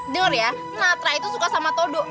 dengar ya natra itu suka sama toto